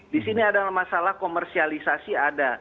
di sini adalah masalah komersialisasi ada